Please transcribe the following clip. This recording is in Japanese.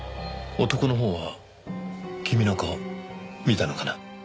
男のほうは君の顔見たのかな？